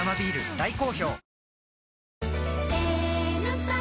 大好評